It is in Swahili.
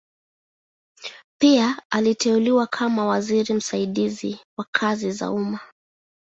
Pia aliteuliwa kama waziri msaidizi wa kazi za umma.